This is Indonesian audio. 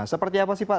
seperti apa sih pak